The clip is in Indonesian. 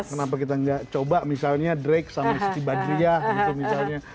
kenapa kita nggak coba misalnya drake sama siti badriah gitu misalnya